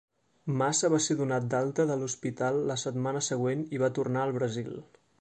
Massa va ser donat d'alta de l'hospital la setmana següent i va tornar al Brasil.